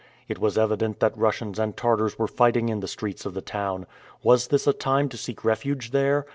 It was evident that Russians and Tartars were fighting in the streets of the town. Was this a time to seek refuge there?